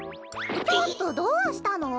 ちょっとどうしたの？